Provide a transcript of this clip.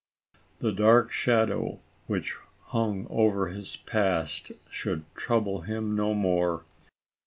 The dark, shadow which hung over his past, should trouble him no more.